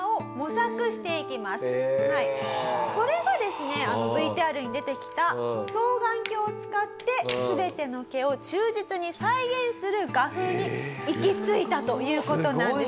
それがですねＶＴＲに出てきた双眼鏡を使って全ての毛を忠実に再現する画風に行き着いたという事なんですよ。